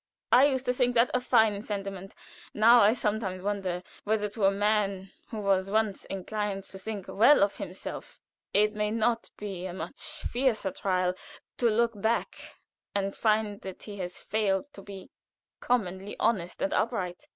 I used to think that a fine sentiment; now I sometimes wonder whether to a man who was once inclined to think well of himself it may not be a much fiercer trial to look back and find that he has failed to be commonly honest and upright.